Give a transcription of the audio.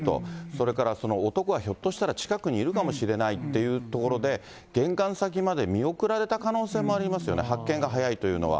それから、男がひょっとしたら近くにいるかもしれないっていうところで、玄関先まで見送られた可能性もありますよね、発見が早いというのは。